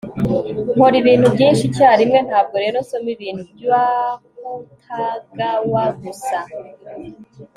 Nkora ibintu byinshi icyarimwe ntabwo rero nsoma ibintu by Akutagawa gusa